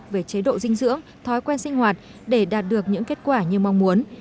về chế độ dinh dưỡng thói quen sinh hoạt để đạt được những kết quả như mong muốn